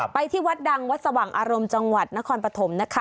ไปที่วัดดังวัดสว่างอารมณ์จังหวัดนครปฐมนะคะ